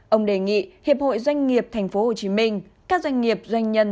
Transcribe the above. ông đề nghị hiệp hội doanh nghiệp tp hcm các doanh nghiệp doanh nhân